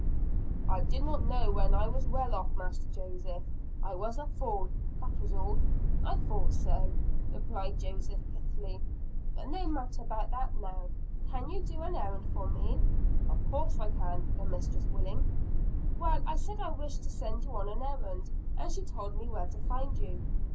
"I did not know when I was well off, Master Joseph. I was a fool, that was all." "I thought so," replied Master Joseph pithily. "But no matter about that now can you do an errand for me?" "Of course I can the mistress willing." "Well, I said I wished to send you on an errand, and she told me where to find you."